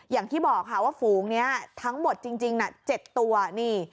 อย่างที่บอกค่ะว่าฝูงนี้ทั้งหมดจริง๗ตัวนี่